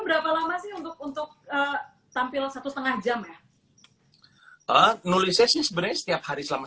berapa lama sih untuk untuk tampil satu setengah jam ya nulisnya sih sebenarnya setiap hari selama